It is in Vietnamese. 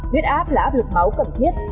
huyết áp là áp lực máu cẩm thiết